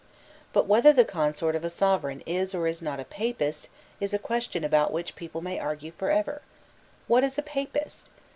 But whether the consort of a Sovereign is or is not a Papist is a question about which people may argue for ever. What is a Papist?